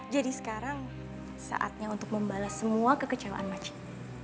jadi sekarang saatnya untuk membalas semua kekecewaan makcik